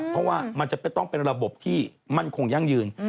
เพราะว่ามันจะต้องเป็นระบบที่มั่นคงยั่งยืน